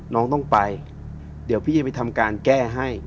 น้องต้องไปเดี๋ยวพี่จะไปทำการแก้ให้